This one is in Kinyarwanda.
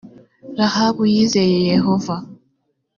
rahabu yizeye yehova